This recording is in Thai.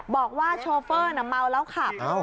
บอกว่าโชเฟอร์เหมาแล้วขับ